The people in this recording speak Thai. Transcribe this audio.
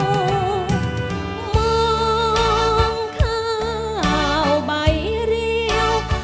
มองข้าวใบเรียว